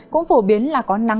cũng phổ biến là có nắng nắng